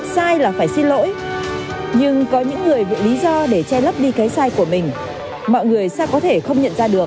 sai là phải xin lỗi nhưng có những người bị lý do để che lấp đi cái sai của mình mọi người sẽ có thể không nhận ra được